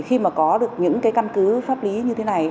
khi mà có được những cái căn cứ pháp lý như thế này